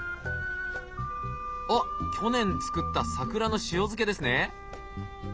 あっ去年作った桜の塩漬けですね。